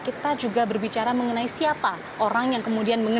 kita juga berbicara mengenai siapa orang yang kemudian